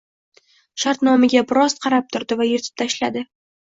Shartnomaga biroz qarab turdi va yirtib tashladi